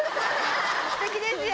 すてきですよ。